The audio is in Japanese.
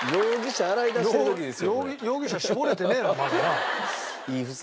容疑者絞れてねえなまだな。